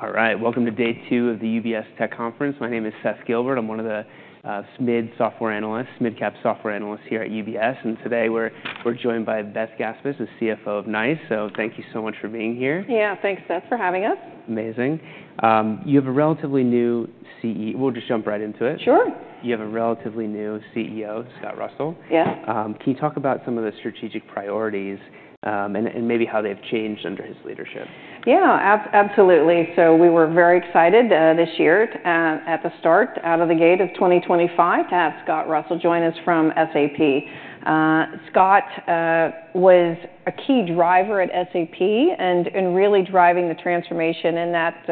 All right. Welcome to day two of the UBS Tech Conference. My name is Seth Gilbert. I'm one of the SMID Software Analysts, SMIDCAP Software Analysts here at UBS. And today we're joined by Beth Gaspich, the CFO of NiCE. So thank you so much for being here. Yeah, thanks, Seth, for having us. Amazing. You have a relatively new CEO. We'll just jump right into it. Sure. You have a relatively new CEO, Scott Russell. Yeah. Can you talk about some of the strategic priorities and maybe how they've changed under his leadership? Yeah, absolutely. So we were very excited this year at the start, out of the gate of 2025 to have Scott Russell join us from SAP. Scott was a key driver at SAP and really driving the transformation in that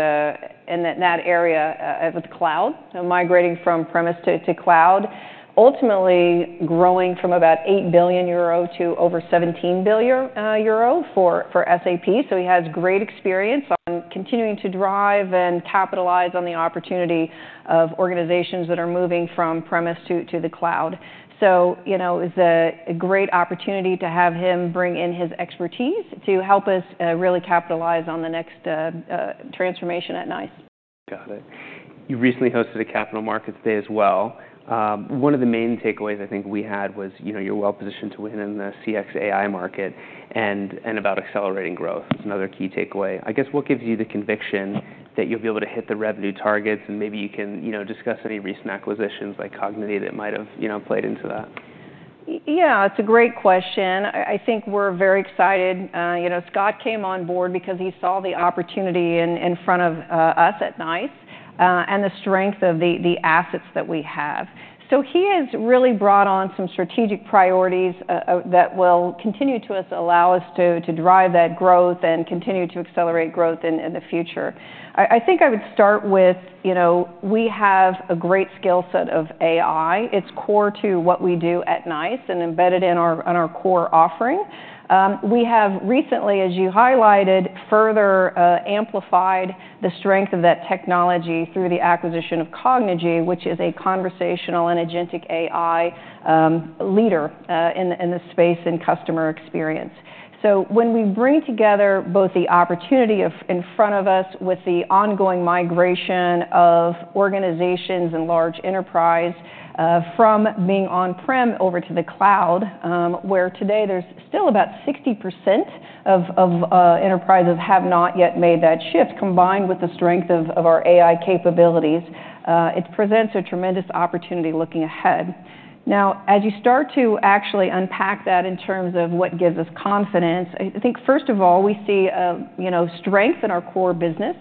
area with cloud, migrating from premise to cloud, ultimately growing from about 8 billion euro to over 17 billion euro for SAP. So he has great experience on continuing to drive and capitalize on the opportunity of organizations that are moving from premise to the cloud. So it was a great opportunity to have him bring in his expertise to help us really capitalize on the next transformation at NiCE. Got it. You recently hosted a Capital Markets Day as well. One of the main takeaways I think we had was you're well positioned to win in the CX/AI market and about accelerating growth. It's another key takeaway. I guess what gives you the conviction that you'll be able to hit the revenue targets and maybe you can discuss any recent acquisitions like Cognigy that might have played into that? Yeah, it's a great question. I think we're very excited. Scott came on board because he saw the opportunity in front of us at NiCE and the strength of the assets that we have. So he has really brought on some strategic priorities that will continue to allow us to drive that growth and continue to accelerate growth in the future. I think I would start with we have a great skill set of AI. It's core to what we do at NiCE and embedded in our core offering. We have recently, as you highlighted, further amplified the strength of that technology through the acquisition of Cognigy, which is a conversational and agentic AI leader in the space and customer experience. So when we bring together both the opportunity in front of us with the ongoing migration of organizations and large enterprise from being on-prem over to the cloud, where today there's still about 60% of enterprises have not yet made that shift, combined with the strength of our AI capabilities, it presents a tremendous opportunity looking ahead. Now, as you start to actually unpack that in terms of what gives us confidence, I think first of all, we see strength in our core business.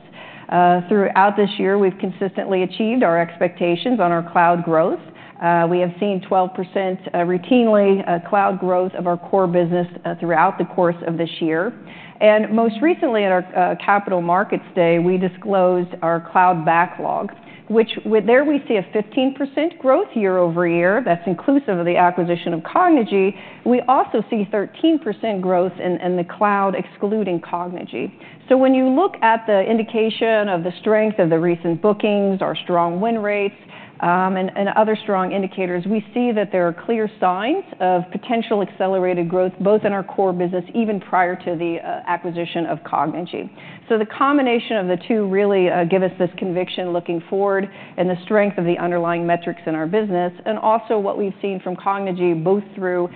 Throughout this year, we've consistently achieved our expectations on our cloud growth. We have seen 12% routinely cloud growth of our core business throughout the course of this year. And most recently, at our Capital Markets Day, we disclosed our cloud backlog, which there we see a 15% growth year-over-year. That's inclusive of the acquisition of Cognigy. We also see 13% growth in the cloud, excluding Cognigy. So when you look at the indication of the strength of the recent bookings, our strong win rates, and other strong indicators, we see that there are clear signs of potential accelerated growth both in our core business, even prior to the acquisition of Cognigy. So the combination of the two really gives us this conviction looking forward and the strength of the underlying metrics in our business, and also what we've seen from Cognigy both through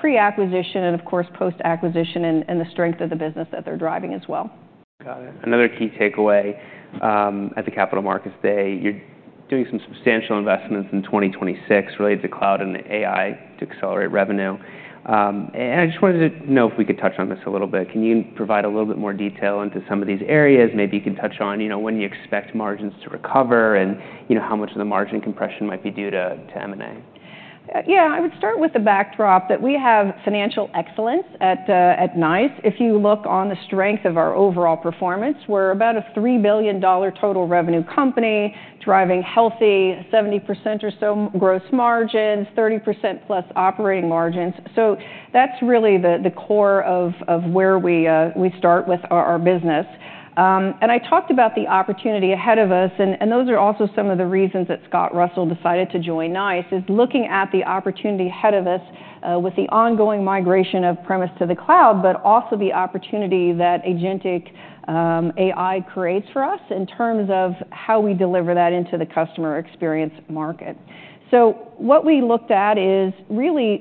pre-acquisition and, of course, post-acquisition and the strength of the business that they're driving as well. Got it. Another key takeaway at the Capital Markets Day, you're doing some substantial investments in 2026 related to cloud and AI to accelerate revenue, and I just wanted to know if we could touch on this a little bit. Can you provide a little bit more detail into some of these areas? Maybe you can touch on when you expect margins to recover and how much of the margin compression might be due to M&A? Yeah, I would start with the backdrop that we have financial excellence at NiCE. If you look on the strength of our overall performance, we're about a $3 billion total revenue company driving healthy 70% or so gross margins, 30% plus operating margins. So that's really the core of where we start with our business. And I talked about the opportunity ahead of us, and those are also some of the reasons that Scott Russell decided to join NiCE, is looking at the opportunity ahead of us with the ongoing migration of on-premise to the cloud, but also the opportunity that agentic AI creates for us in terms of how we deliver that into the customer experience market. So, what we looked at is really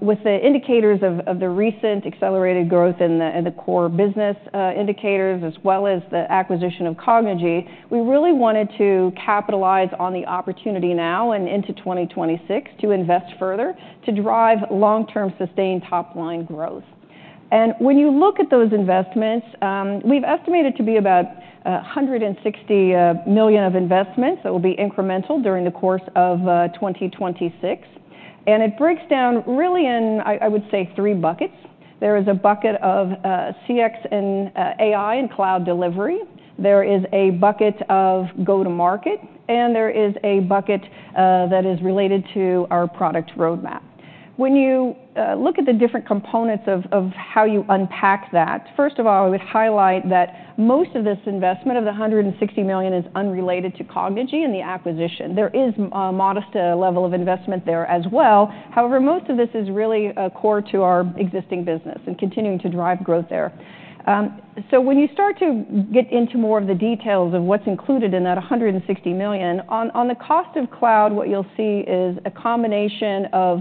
with the indicators of the recent accelerated growth in the core business indicators, as well as the acquisition of Cognigy. We really wanted to capitalize on the opportunity now and into 2026 to invest further to drive long-term sustained top-line growth. And when you look at those investments, we've estimated to be about $160 million of investments that will be incremental during the course of 2026. And it breaks down really in, I would say, three buckets. There is a bucket of CX and AI and cloud delivery. There is a bucket of go-to-market, and there is a bucket that is related to our product roadmap. When you look at the different components of how you unpack that, first of all, I would highlight that most of this investment of the $160 million is unrelated to Cognigy and the acquisition. There is a modest level of investment there as well. However, most of this is really core to our existing business and continuing to drive growth there. So when you start to get into more of the details of what's included in that $160 million, on the cost of cloud, what you'll see is a combination of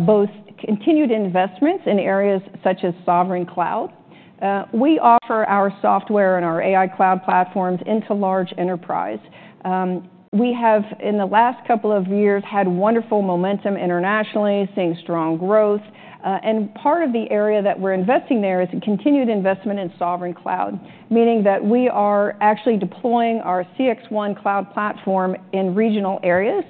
both continued investments in areas such as sovereign cloud. We offer our software and our AI cloud platforms into large enterprise. We have, in the last couple of years, had wonderful momentum internationally, seeing strong growth. Part of the area that we're investing there is continued investment in sovereign cloud, meaning that we are actually deploying our CXone cloud platform in regional areas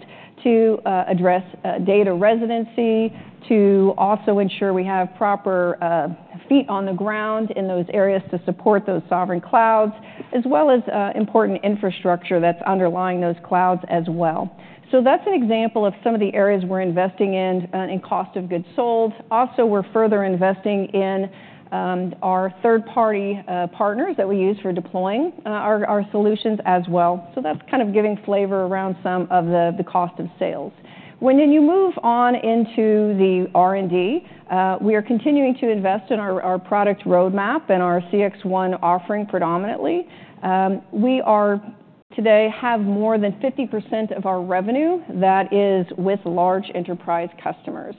to address data residency, to also ensure we have proper feet on the ground in those areas to support those sovereign clouds, as well as important infrastructure that's underlying those clouds as well. So that's an example of some of the areas we're investing in in cost of goods sold. Also, we're further investing in our third-party partners that we use for deploying our solutions as well. So that's kind of giving flavor around some of the cost of sales. When you move on into the R&D, we are continuing to invest in our product roadmap and our CXone offering predominantly. We today have more than 50% of our revenue that is with large enterprise customers.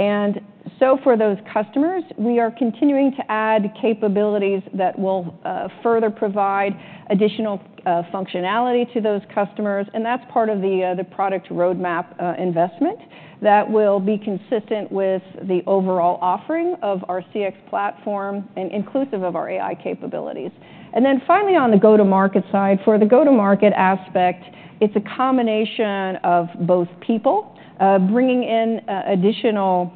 And so for those customers, we are continuing to add capabilities that will further provide additional functionality to those customers. And that's part of the product roadmap investment that will be consistent with the overall offering of our CX platform and inclusive of our AI capabilities. And then finally, on the go-to-market side, for the go-to-market aspect, it's a combination of both people bringing in additional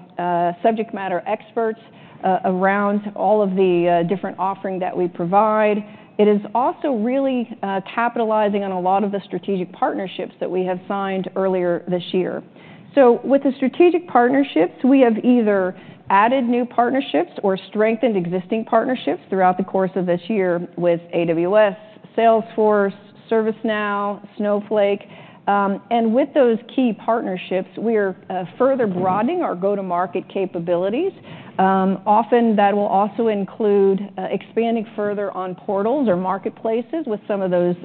subject matter experts around all of the different offering that we provide. It is also really capitalizing on a lot of the strategic partnerships that we have signed earlier this year. So with the strategic partnerships, we have either added new partnerships or strengthened existing partnerships throughout the course of this year with AWS, Salesforce, ServiceNow, Snowflake. And with those key partnerships, we are further broadening our go-to-market capabilities. Often that will also include expanding further on portals or marketplaces with some of those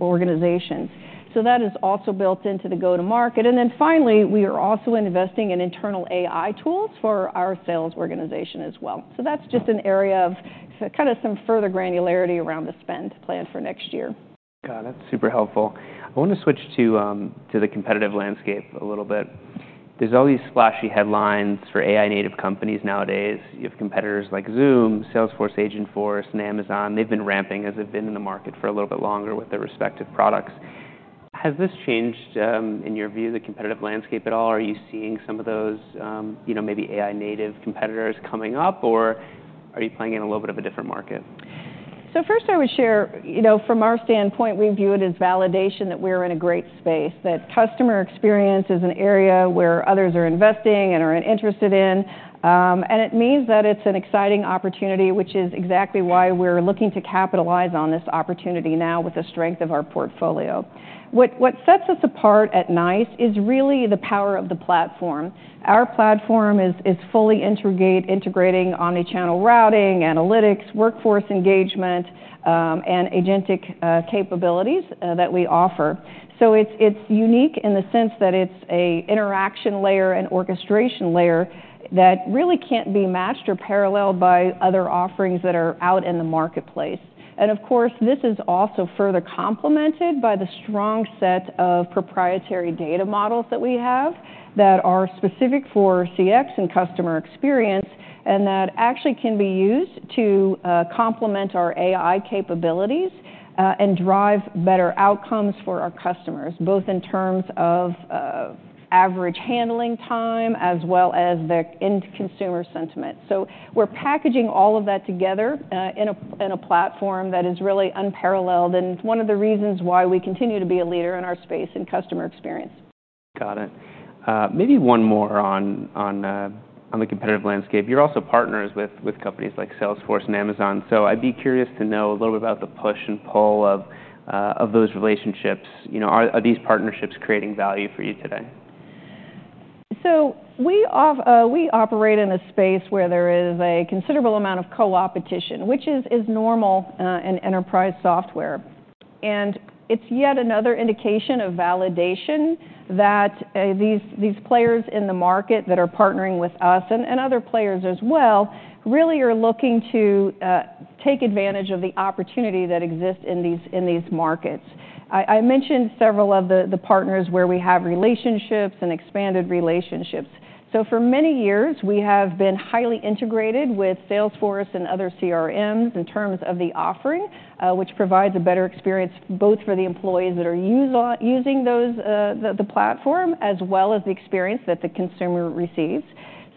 organizations. So that is also built into the go-to-market. And then finally, we are also investing in internal AI tools for our sales organization as well. So that's just an area of kind of some further granularity around the spend plan for next year. Got it. Super helpful. I want to switch to the competitive landscape a little bit. There's all these splashy headlines for AI-native companies nowadays. You have competitors like Zoom, Salesforce, Agentforce, and Amazon. They've been ramping as they've been in the market for a little bit longer with their respective products. Has this changed, in your view, the competitive landscape at all? Are you seeing some of those maybe AI-native competitors coming up, or are you playing in a little bit of a different market? First, I would share from our standpoint, we view it as validation that we are in a great space, that customer experience is an area where others are investing and are interested in. It means that it's an exciting opportunity, which is exactly why we're looking to capitalize on this opportunity now with the strength of our portfolio. What sets us apart at NiCE is really the power of the platform. Our platform is fully integrating omnichannel routing, analytics, workforce engagement, and agentic capabilities that we offer. It's unique in the sense that it's an interaction layer and orchestration layer that really can't be matched or paralleled by other offerings that are out in the marketplace. And of course, this is also further complemented by the strong set of proprietary data models that we have that are specific for CX and customer experience, and that actually can be used to complement our AI capabilities and drive better outcomes for our customers, both in terms of average handling time as well as the end consumer sentiment. So we're packaging all of that together in a platform that is really unparalleled and one of the reasons why we continue to be a leader in our space in customer experience. Got it. Maybe one more on the competitive landscape. You're also partners with companies like Salesforce and Amazon. So I'd be curious to know a little bit about the push and pull of those relationships. Are these partnerships creating value for you today? So we operate in a space where there is a considerable amount of co-opetition, which is normal in enterprise software. And it's yet another indication of validation that these players in the market that are partnering with us and other players as well really are looking to take advantage of the opportunity that exists in these markets. I mentioned several of the partners where we have relationships and expanded relationships. So for many years, we have been highly integrated with Salesforce and other CRMs in terms of the offering, which provides a better experience both for the employees that are using the platform as well as the experience that the consumer receives.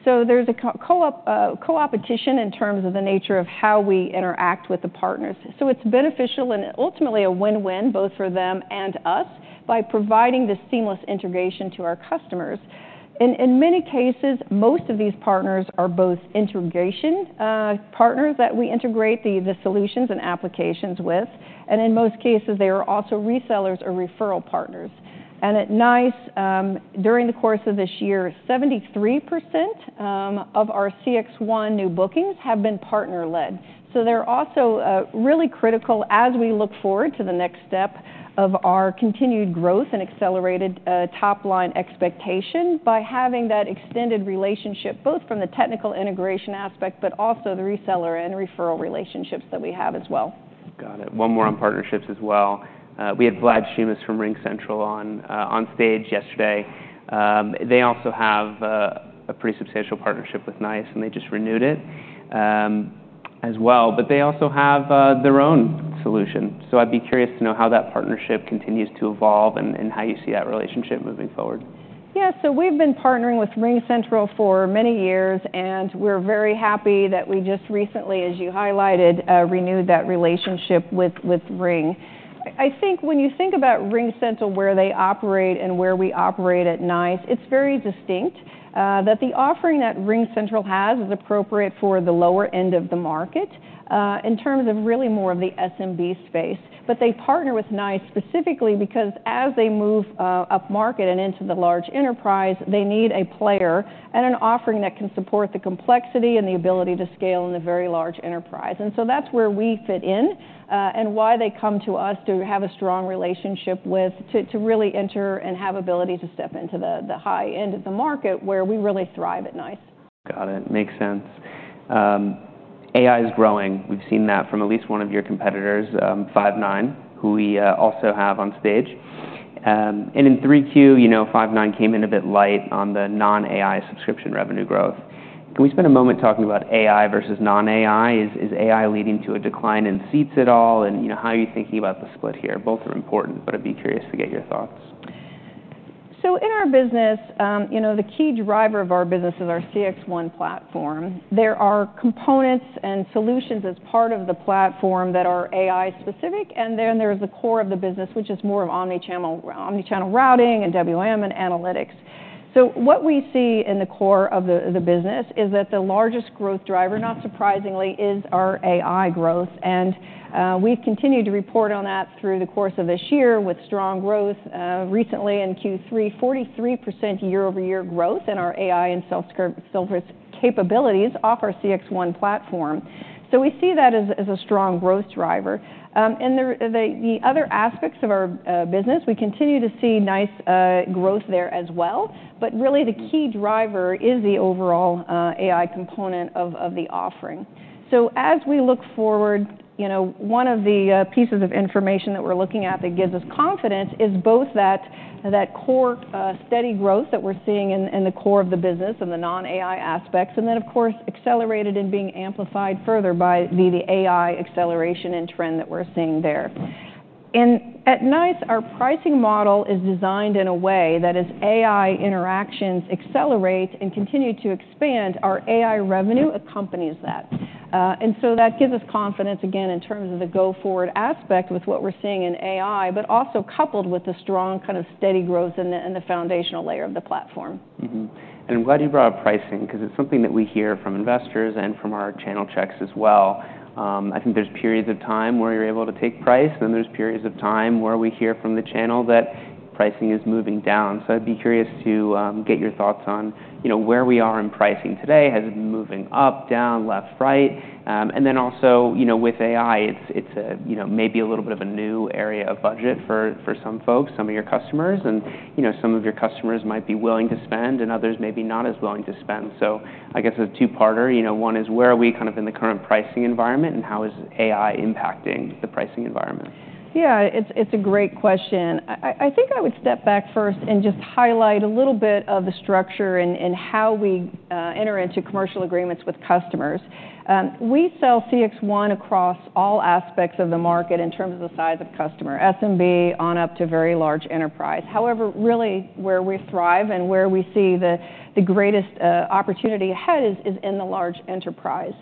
So there's a co-opetition in terms of the nature of how we interact with the partners. So it's beneficial and ultimately a win-win both for them and us by providing this seamless integration to our customers. In many cases, most of these partners are both integration partners that we integrate the solutions and applications with. And in most cases, they are also resellers or referral partners. And at NiCE, during the course of this year, 73% of our CXone new bookings have been partner-led. So they're also really critical as we look forward to the next step of our continued growth and accelerated top-line expectation by having that extended relationship both from the technical integration aspect, but also the reseller and referral relationships that we have as well. Got it. One more on partnerships as well. We had Vlad Shmunis from RingCentral on stage yesterday. They also have a pretty substantial partnership with NiCE, and they just renewed it as well. But they also have their own solution. So I'd be curious to know how that partnership continues to evolve and how you see that relationship moving forward. Yeah, so we've been partnering with RingCentral for many years, and we're very happy that we just recently, as you highlighted, renewed that relationship with Ring. I think when you think about RingCentral, where they operate and where we operate at NiCE, it's very distinct that the offering that RingCentral has is appropriate for the lower end of the market in terms of really more of the SMB space. But they partner with NiCE specifically because as they move up market and into the large enterprise, they need a player and an offering that can support the complexity and the ability to scale in the very large enterprise. And so that's where we fit in and why they come to us to have a strong relationship with to really enter and have ability to step into the high end of the market where we really thrive at NiCE. Got it. Makes sense. AI is growing. We've seen that from at least one of your competitors, Five9, who we also have on stage. And in 3Q, Five9 came in a bit light on the non-AI subscription revenue growth. Can we spend a moment talking about AI versus non-AI? Is AI leading to a decline in seats at all? And how are you thinking about the split here? Both are important, but I'd be curious to get your thoughts. So in our business, the key driver of our business is our CXone platform. There are components and solutions as part of the platform that are AI-specific, and then there is the core of the business, which is more of omnichannel routing and WEM and analytics. So what we see in the core of the business is that the largest growth driver, not surprisingly, is our AI growth. And we've continued to report on that through the course of this year with strong growth. Recently, in Q3, 43% year-over-year growth in our AI and Salesforce capabilities off our CXone platform. So we see that as a strong growth driver. And the other aspects of our business, we continue to see nice growth there as well. But really, the key driver is the overall AI component of the offering. So as we look forward, one of the pieces of information that we're looking at that gives us confidence is both that core steady growth that we're seeing in the core of the business and the non-AI aspects, and then, of course, accelerated and being amplified further by the AI acceleration and trend that we're seeing there. And at NiCE, our pricing model is designed in a way that as AI interactions accelerate and continue to expand, our AI revenue accompanies that. And so that gives us confidence, again, in terms of the go-forward aspect with what we're seeing in AI, but also coupled with the strong kind of steady growth in the foundational layer of the platform. And why do you bother pricing? Because it's something that we hear from investors and from our channel checks as well. I think there's periods of time where you're able to take price, and then there's periods of time where we hear from the channel that pricing is moving down. So I'd be curious to get your thoughts on where we are in pricing today. Has it been moving up, down, left, right? And then also with AI, it's maybe a little bit of a new area of budget for some folks, some of your customers. And some of your customers might be willing to spend, and others may be not as willing to spend. So I guess a two-parter. One is where are we kind of in the current pricing environment, and how is AI impacting the pricing environment? Yeah, it's a great question. I think I would step back first and just highlight a little bit of the structure and how we enter into commercial agreements with customers. We sell CXone across all aspects of the market in terms of the size of customer, SMB on up to very large enterprise. However, really, where we thrive and where we see the greatest opportunity ahead is in the large enterprise.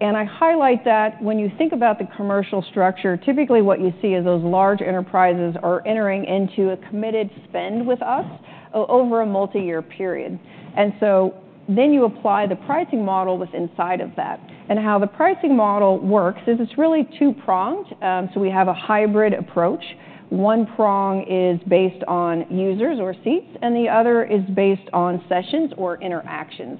And I highlight that when you think about the commercial structure, typically what you see is those large enterprises are entering into a committed spend with us over a multi-year period. And so then you apply the pricing model that's inside of that. And how the pricing model works is it's really two-pronged. So we have a hybrid approach. One prong is based on users or seats, and the other is based on sessions or interactions.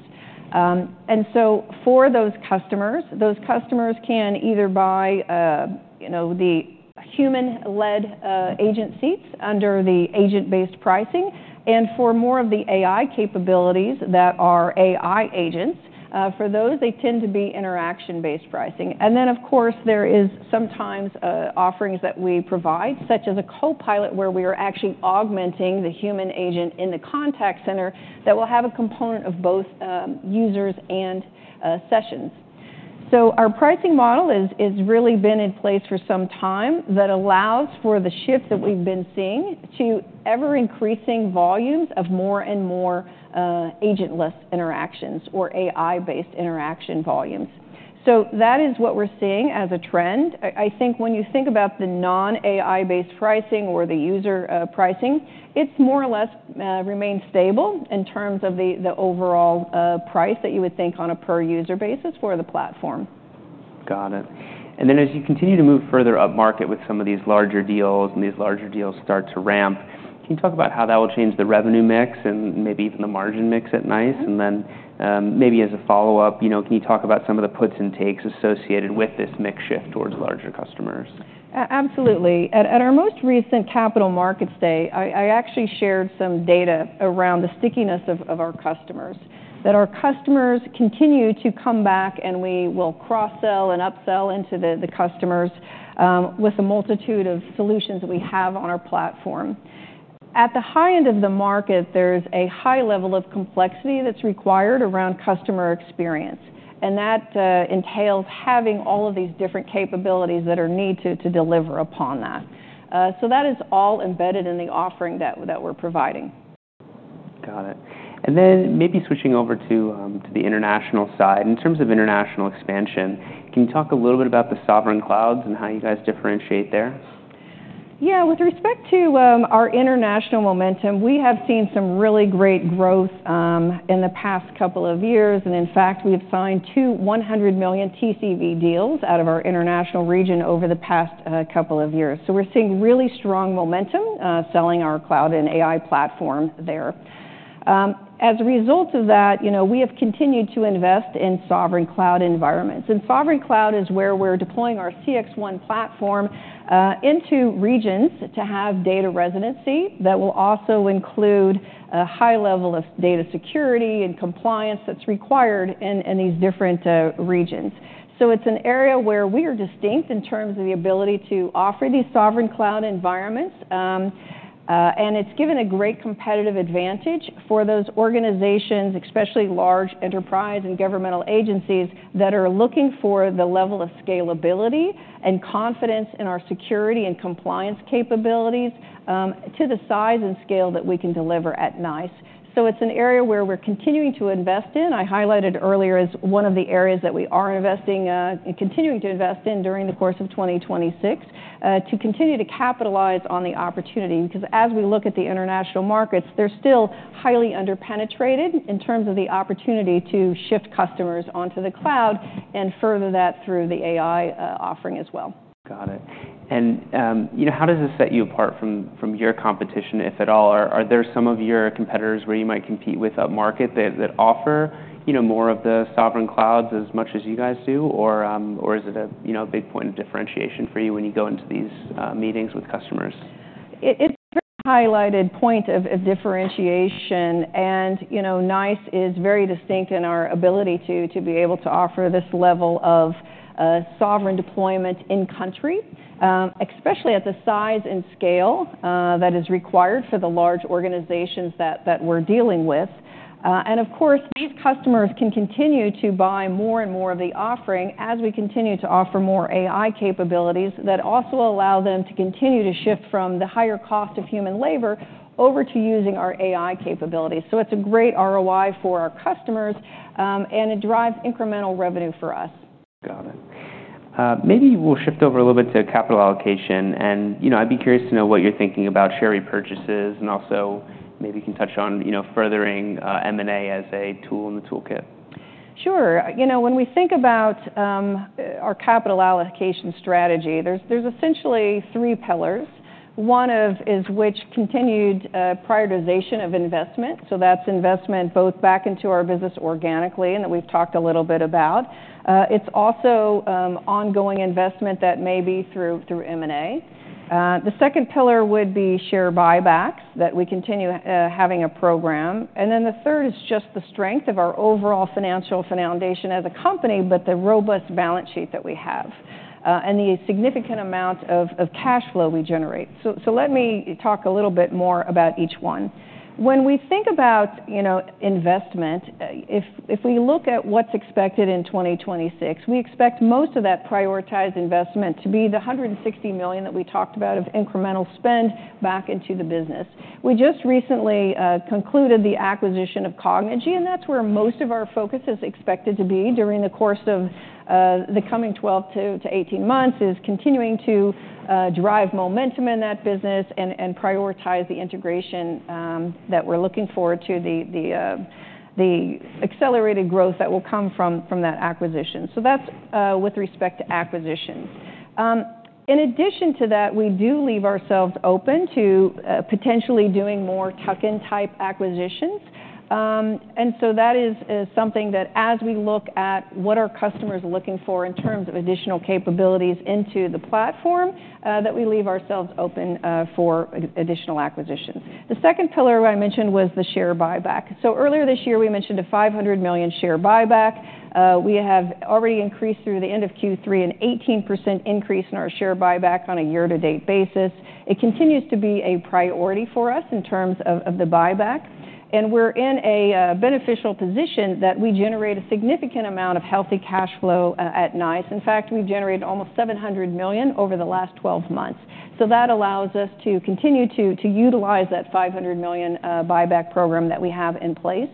And so, for those customers, those customers can either buy the human-led agent seats under the agent-based pricing. And for more of the AI capabilities that are AI agents, for those, they tend to be interaction-based pricing. And then, of course, there are sometimes offerings that we provide, such as a co-pilot where we are actually augmenting the human agent in the contact center that will have a component of both users and sessions. So our pricing model has really been in place for some time that allows for the shift that we've been seeing to ever-increasing volumes of more and more agentless interactions or AI-based interaction volumes. So that is what we're seeing as a trend. I think when you think about the non-AI-based pricing or the user pricing, it's more or less remained stable in terms of the overall price that you would think on a per-user basis for the platform. Got it. And then as you continue to move further up market with some of these larger deals and these larger deals start to ramp, can you talk about how that will change the revenue mix and maybe even the margin mix at NiCE? And then maybe as a follow-up, can you talk about some of the puts and takes associated with this mix shift towards larger customers? Absolutely. At our most recent Capital Markets Day, I actually shared some data around the stickiness of our customers, that our customers continue to come back, and we will cross-sell and upsell into the customers with a multitude of solutions that we have on our platform. At the high end of the market, there's a high level of complexity that's required around customer experience, and that entails having all of these different capabilities that are needed to deliver upon that, so that is all embedded in the offering that we're providing. Got it. And then maybe switching over to the international side. In terms of international expansion, can you talk a little bit about the sovereign clouds and how you guys differentiate there? Yeah, with respect to our international momentum, we have seen some really great growth in the past couple of years. And in fact, we have signed two 100 million TCV deals out of our international region over the past couple of years. So we're seeing really strong momentum selling our cloud and AI platform there. As a result of that, we have continued to invest in sovereign cloud environments. And sovereign cloud is where we're deploying our CXone platform into regions to have data residency that will also include a high level of data security and compliance that's required in these different regions. So it's an area where we are distinct in terms of the ability to offer these sovereign cloud environments. It's given a great competitive advantage for those organizations, especially large enterprise and governmental agencies that are looking for the level of scalability and confidence in our security and compliance capabilities to the size and scale that we can deliver at NiCE. It's an area where we're continuing to invest in. I highlighted earlier as one of the areas that we are investing and continuing to invest in during the course of 2026 to continue to capitalize on the opportunity. Because as we look at the international markets, they're still highly underpenetrated in terms of the opportunity to shift customers onto the cloud and further that through the AI offering as well. Got it. And how does this set you apart from your competition, if at all? Are there some of your competitors where you might compete with a market that offer more of the sovereign clouds as much as you guys do? Or is it a big point of differentiation for you when you go into these meetings with customers? It's a very highlighted point of differentiation. And NiCE is very distinct in our ability to be able to offer this level of sovereign deployment in country, especially at the size and scale that is required for the large organizations that we're dealing with. And of course, these customers can continue to buy more and more of the offering as we continue to offer more AI capabilities that also allow them to continue to shift from the higher cost of human labor over to using our AI capabilities. So it's a great ROI for our customers, and it drives incremental revenue for us. Got it. Maybe we'll shift over a little bit to capital allocation, and I'd be curious to know what you're thinking about share purchases and also maybe you can touch on furthering M&A as a tool in the toolkit. Sure. When we think about our capital allocation strategy, there's essentially three pillars. One of which is continued prioritization of investment. So that's investment both back into our business organically and that we've talked a little bit about. It's also ongoing investment that may be through M&A. The second pillar would be share buybacks that we continue having a program. And then the third is just the strength of our overall financial foundation as a company, but the robust balance sheet that we have and the significant amount of cash flow we generate. So let me talk a little bit more about each one. When we think about investment, if we look at what's expected in 2026, we expect most of that prioritized investment to be the $160 million that we talked about of incremental spend back into the business. We just recently concluded the acquisition of Cognigy, and that's where most of our focus is expected to be during the course of the coming 12 to 18 months, is continuing to drive momentum in that business and prioritize the integration that we're looking forward to, the accelerated growth that will come from that acquisition. So that's with respect to acquisitions. In addition to that, we do leave ourselves open to potentially doing more tuck-in type acquisitions. And so that is something that as we look at what our customers are looking for in terms of additional capabilities into the platform, that we leave ourselves open for additional acquisitions. The second pillar I mentioned was the share buyback. So earlier this year, we mentioned a $500 million share buyback. We have already increased through the end of Q3 an 18% increase in our share buyback on a year-to-date basis. It continues to be a priority for us in terms of the buyback. And we're in a beneficial position that we generate a significant amount of healthy cash flow at NiCE. In fact, we've generated almost $700 million over the last 12 months. So that allows us to continue to utilize that $500 million buyback program that we have in place.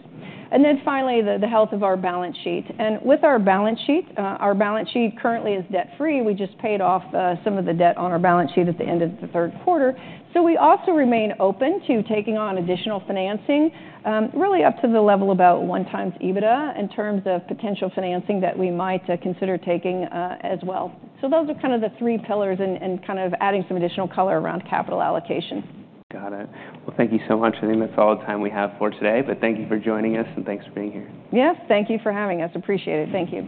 And then finally, the health of our balance sheet. And with our balance sheet, our balance sheet currently is debt-free. We just paid off some of the debt on our balance sheet at the end of the third quarter. So we also remain open to taking on additional financing, really up to the level about one times EBITDA in terms of potential financing that we might consider taking as well. So those are kind of the three pillars and kind of adding some additional color around capital allocation. Got it. Thank you so much. I think that's all the time we have for today. Thank you for joining us, and thanks for being here. Yes, thank you for having us. Appreciate it. Thank you.